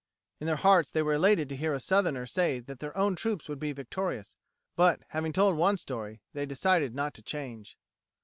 In their hearts they were elated to hear a Southerner say that their own troops would be victorious; but, having told one story, they decided not to change.